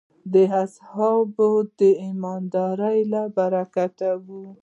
د اصحابو د ایماندارۍ له برکته وې.